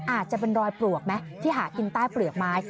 อาจจะเป็นรอยปลวกไหมที่หากินใต้เปลือกไม้